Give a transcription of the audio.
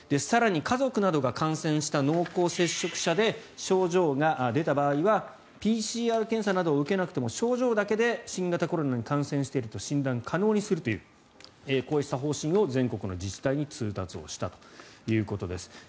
更に、家族などが感染した濃厚接触者で症状が出た場合はＰＣＲ検査などを受けなくても症状だけで新型コロナに感染していると診断可能にするというこうした方針を全国の自治体に通達をしたということです。